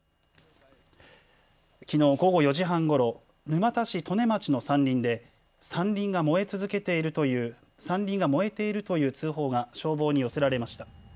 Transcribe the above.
きのう午後４時半ごろ沼田市利根町の山林で山林が燃えているという通報が消防に寄せられました。